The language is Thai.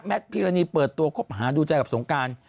พีรณีเปิดตัวคบหาดูใจกับสงการ